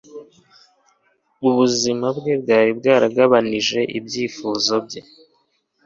Ubuzima bwe bwari bwaragabanije ibyifuzo bye